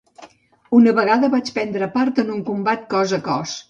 Una vegada vaig prendre part en un combat cos a cos